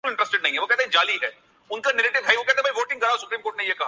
وزیر اعظم نے ورلڈ اکنامک فورم پہ اپنی قادرالکلامی کی دھوم مچا دی